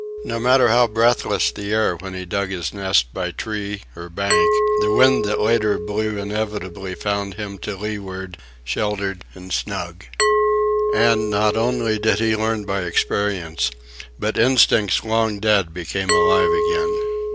No matter how breathless the air when he dug his nest by tree or bank, the wind that later blew inevitably found him to leeward, sheltered and snug. And not only did he learn by experience, but instincts long dead became alive again.